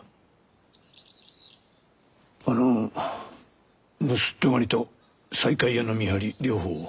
あの盗人狩りと西海屋の見張り両方を？